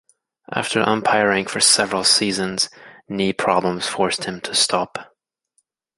After umpiring for several seasons, knee problems forced him to stop.